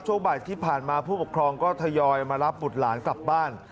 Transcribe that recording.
ช่วงบ่ายที่ผ่านมาผู้ปกครองก็ทยอยมารับบุตรหลานกลับบ้าน